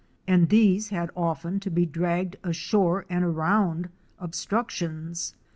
and these had often to be dragged ashore and around obstruc tions.